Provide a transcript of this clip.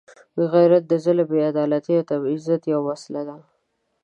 غیرت د ظلم، بېعدالتۍ او تبعیض ضد یوه وسله ده.